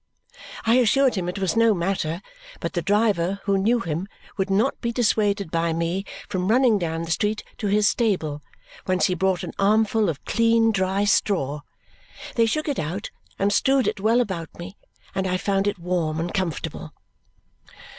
I assured him it was no matter, but the driver, who knew him, would not be dissuaded by me from running down the street to his stable, whence he brought an armful of clean dry straw. They shook it out and strewed it well about me, and I found it warm and comfortable.